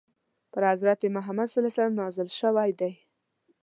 پر حضرت محمد ﷺ نازل شوی دی.